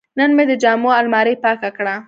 نن مې د جامو الماري پاکه کړه.